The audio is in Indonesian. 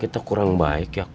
kita memang kurang baik ya pak